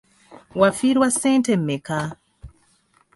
Wafiirwa ssente mmeka?